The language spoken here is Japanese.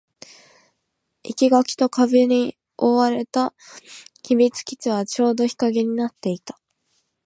生垣と壁に囲われた秘密基地はちょうど日陰になっていた